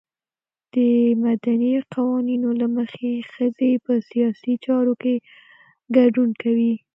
د مدني قوانینو له مخې ښځې په سیاسي چارو کې ګډون کوي.